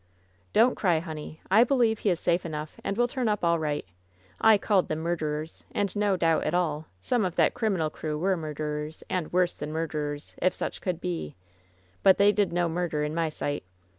'^Don't cry, honey! I believe he is safe enough and will turn up all right. I called them murderers! And, WHEN SHADOWS DIE 46 no doubt at all, some of that criminal crew were mur derers, and worse than murderers, if such could bel But they did no murder in my sight!